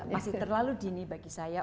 masih terlalu dini bagi saya